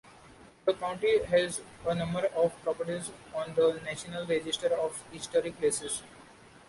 The county has a number of properties on the National Register of Historic Places.